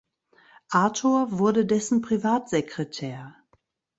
Arthur wurde dessen Privatsekretär.